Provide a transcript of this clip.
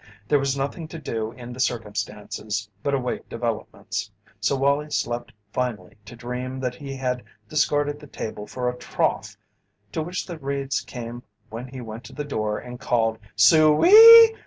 There was nothing to do in the circumstances but await developments, so Wallie slept finally to dream that he had discarded the table for a trough to which the Reeds came when he went to the door and called: "Soo ee!